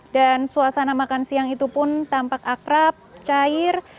suasana makan siang itu pun tampak akrab cair